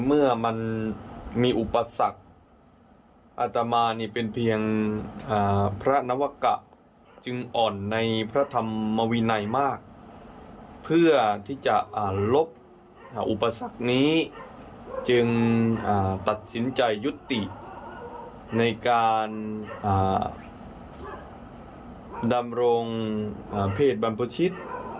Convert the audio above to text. อุปสรรคนี้จึงตัดสินใจยุติในการดำรงเพศบรรพชิต